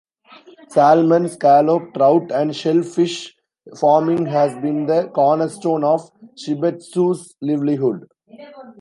Salmon, scallop, trout and shellfish farming has been the cornerstone of Shibetsu's livelihood.